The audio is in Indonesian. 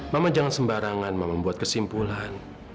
mama jangan sembarangan membuat kesimpulan